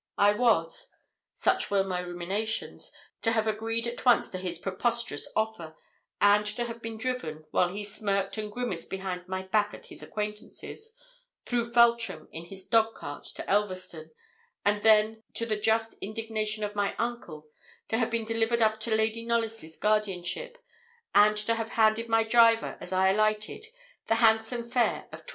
I was, such were my ruminations, to have agreed at once to his preposterous offer, and to have been driven, while he smirked and grimaced behind my back at his acquaintances, through Feltram in his dog cart to Elverston; and then, to the just indignation of my uncle, to have been delivered up to Lady Knolly's guardianship, and to have handed my driver, as I alighted, the handsome fare of 20.